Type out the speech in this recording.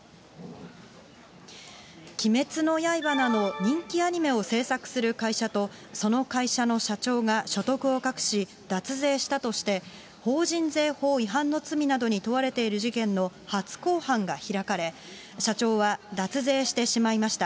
鬼滅の刃など人気アニメを制作する会社と、その会社の社長が所得を隠し、脱税したとして、法人税法違反の罪などに問われている事件の初公判が開かれ、社長は脱税してしまいました。